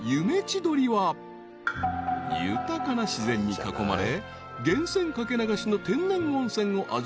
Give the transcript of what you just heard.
［豊かな自然に囲まれ源泉掛け流しの天然温泉を味わえる人気宿］